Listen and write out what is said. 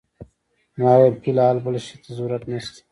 ما وویل فی الحال بل شي ته ضرورت نه شته.